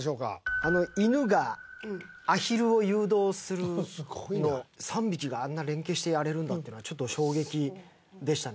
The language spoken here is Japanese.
あの犬がアヒルを誘導するのすごいな３匹があんな連携してやれるんだってのはちょっと衝撃でしたね